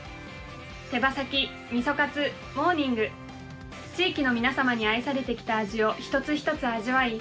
手羽先、みそカツ、モーニング地域の皆様に愛されてきた味を一つ一つ味わい